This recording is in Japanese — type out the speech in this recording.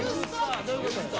どういうことですか？